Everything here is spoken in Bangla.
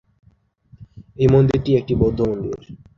এই মন্দিরটি একটি বৌদ্ধ মন্দির।